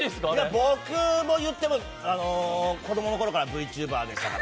僕も子供のころからＶＴｕｂｅｒでしたから。